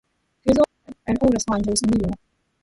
He also has an older son, Jose Emilio.